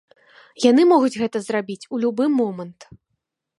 Яны могуць гэта зрабіць у любы момант.